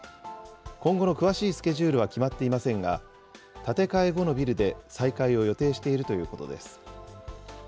今後の詳しいスケジュールは決まっていませんが、建て替え後のビルで再開を予定しているということです。